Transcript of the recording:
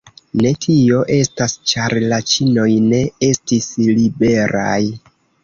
Ne, tio estas ĉar la ĉinoj ne estis liberaj.